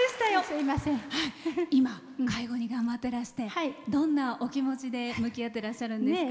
今、介護頑張ってらしてどんなお気持ちで向き合ってらっしゃるんですか？